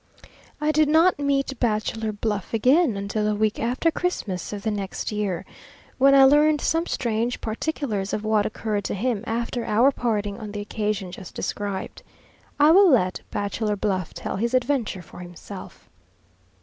I did not meet Bachelor Bluff again until a week after Christmas of the next year, when I learned some strange particulars of what occurred to him after our parting on the occasion just described. I will let Bachelor Bluff tell his adventure for himself.